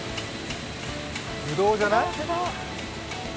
ぶどうじゃない？